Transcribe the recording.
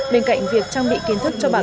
bên cạnh việc trang bị kiến thức cho bà con